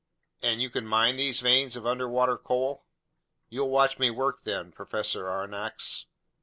"And you can mine these veins of underwater coal?" "You'll watch me work them, Professor Aronnax.